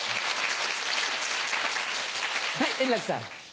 はい円楽さん。